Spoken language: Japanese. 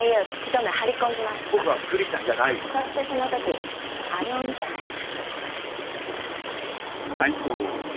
そしてそのときあれを見たんです。